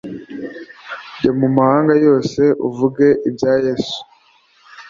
jya mu mahanga yose, uvuge ibya yesu,